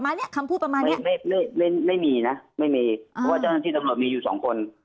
ไม่มีเพราะว่าเจ้าหน้าที่ตำรวจมีอยู่สองคน